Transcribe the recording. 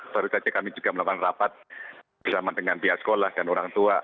baru saja kami juga melakukan rapat bersama dengan pihak sekolah dan orang tua